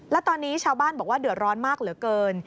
และตอนนี้ชาวบ้านบอกว่าเดือดร้อนมากเหลือเกิน